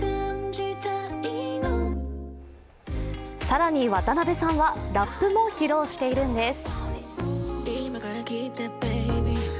更に渡辺さんはラップも披露しているんです。